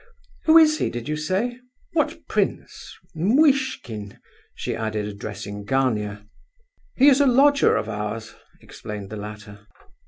Who is he, did you say? What prince? Muishkin?" she added, addressing Gania. "He is a lodger of ours," explained the latter.